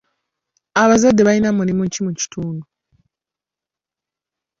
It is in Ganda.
Abazadde balina mulimu ki mu kitundu?